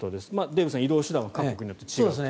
デーブさん、移動手段は各国によって違うということです。